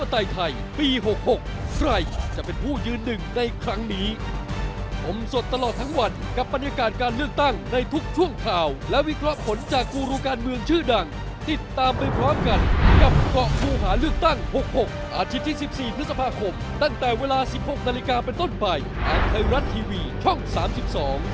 อร์ยี่สิบเก้าให้ทั้งประเทศให้รัฐบาลอย่างมีสถีรภาบ